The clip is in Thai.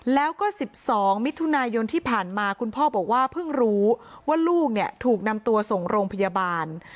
แล้วก็๑๒มิถุนายนที่ผ่านมาคุณพ่อบอกว่าเพิ่งรู้ว่าลูกเนี่ยถูกนำตัวส่งโรงพยาบาล